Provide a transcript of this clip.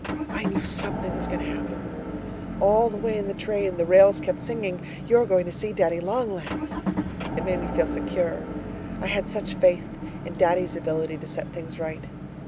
I knew something was going to happen. All the way in the train the rails kept singing, 'You're going to see Daddy Long Legs.' It made me feel secure. I had such faith in Daddy's ability to set things right.